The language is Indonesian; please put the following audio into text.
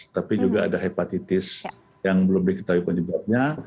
tapi juga ada hepatitis yang belum diketahui penyebabnya